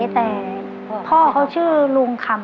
แต่พ่อเขาชื่อลุงคำ